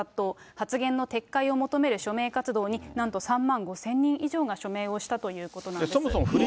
発言の撤回を求める署名活動に、なんと３万５０００人以上が署名をしたということなんです。